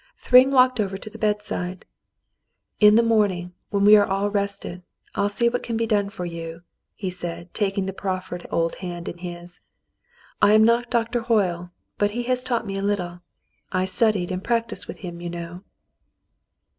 Thryng walked over to the bedside. "In the morning, when we are all rested, I'll see what can be done for you," he said, taking the proffered old hand in his. "I am not Dr. Hoyle, but he has taught me a little. I studied and practised with him, you know."